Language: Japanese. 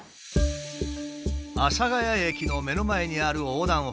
阿佐ヶ谷駅の目の前にある横断歩道。